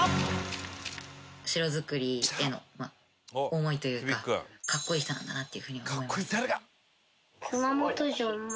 城造りへの思いというかかっこいい人なんだなっていうふうに思います。